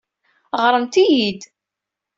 Ɣremt-iyi-d!